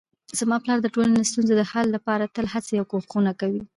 زما پلار د ټولنې د ستونزو د حل لپاره تل هڅې او کوښښونه کوي